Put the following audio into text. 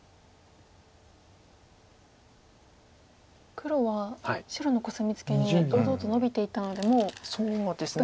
黒は白のコスミツケに堂々とノビていったのでもうどちらも頑張ると。